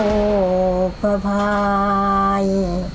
โอ้พระพาย